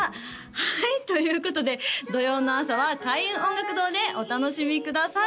はいということで土曜の朝は開運音楽堂でお楽しみください